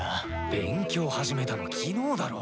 勉強始めたの昨日だろ。